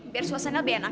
biar suasananya lebih enak